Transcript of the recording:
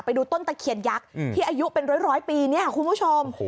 ไปดูต้นตะเคียนยักษ์ที่อายุเป็นร้อยปีเนี่ยคุณผู้ชม